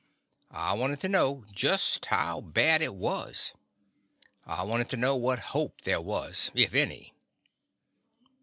I wanted to know just how bad it was. I wanted to know what hope there was, if any.